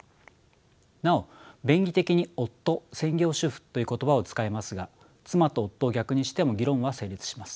なお便宜的に夫専業主婦という言葉を使いますが妻と夫を逆にしても議論は成立します。